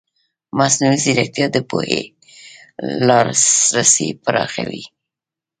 مصنوعي ځیرکتیا د پوهې لاسرسی پراخوي.